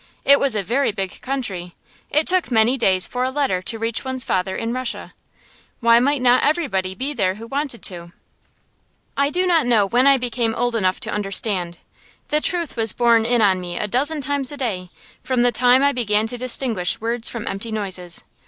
It was a very big country; it took many days for a letter to reach one's father in Russia. Why might not everybody be there who wanted to? I do not know when I became old enough to understand. The truth was borne in on me a dozen times a day, from the time I began to distinguish words from empty noises.